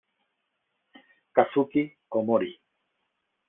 Kazuki Omori